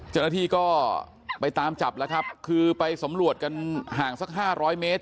เจ้าหน้าที่ก็ไปตามจับแล้วครับคือไปสำรวจกันห่างสักห้าร้อยเมตร